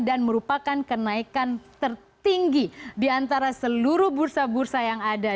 dan merupakan kenaikan tertinggi di antara seluruh bursa bursa yang ada